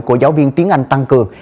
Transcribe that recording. của giáo viên tiếng anh tăng cường